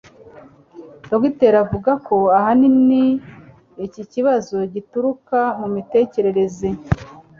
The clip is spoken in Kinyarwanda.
Dogiteri avuga ko ahanini iki kibazo gituruka mu mitekereze